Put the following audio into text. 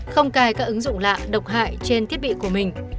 không cài các ứng dụng lạ độc hại trên thiết bị của mình